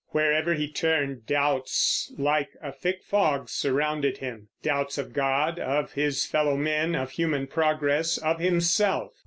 Wherever he turned, doubts like a thick fog surrounded him, doubts of God, of his fellow men, of human progress, of himself.